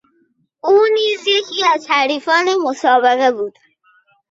او نیز یکی از حریفان مسابقه بود.